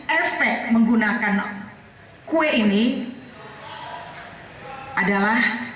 efek menggunakan kue ini adalah